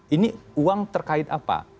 ini uang terkait apa